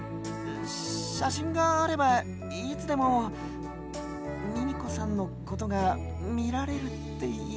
しゃしんがあればいつでもミミコさんのことがみられるっていうか。